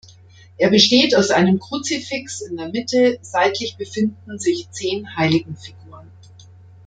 Er besteht aus einem Kruzifix in der Mitte, seitlich befinden sich zehn Heiligenfiguren.